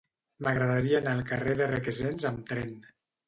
M'agradaria anar al carrer de Requesens amb tren.